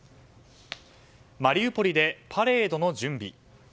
マリウポリでパレードの準備。